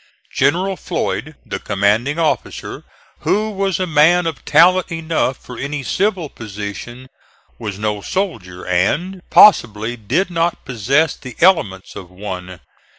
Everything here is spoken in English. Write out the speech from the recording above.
General Floyd, the commanding officer, who was a man of talent enough for any civil position, was no soldier and, possibly, did not possess the elements of one.